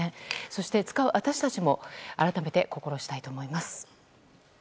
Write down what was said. そして、使う私たちも改めて心したいと思います。